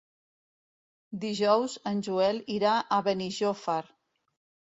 Dijous en Joel irà a Benijòfar.